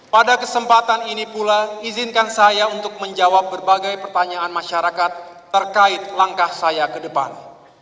pada kesempatan ini pula izinkan saya untuk menjawab berbagai pertanyaan masyarakat terkait langkah saya ke depan